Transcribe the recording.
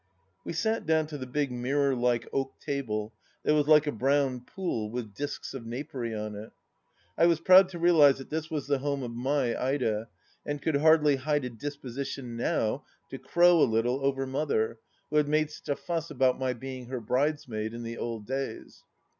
We sat down to the big mirror like oak table, that was like a brown pool with discs of napery on it. I was proud to realize that this was the home of my Ida, and could hardly hide a disposition to crow a little over Mother, who had made such a fuss about my being her bridesmaid in the old days.